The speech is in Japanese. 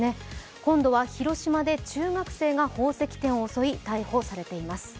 今度は広島で中学生が宝石店を遅い、逮捕されています。